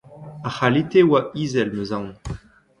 Ar c’halite a oa izel 'm eus aon.